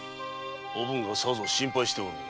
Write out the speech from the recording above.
おぶんがさぞ心配しておろう。